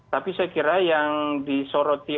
tapi saya kira yang disoroti